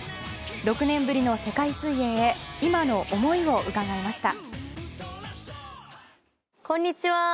６年ぶりの世界水泳へ今の思いを伺いました。